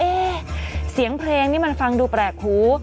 เสียงเพลงนี่มันฟังดูแปลกหู